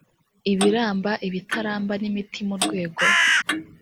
ibiramba ibitaramba n imiti mu rwego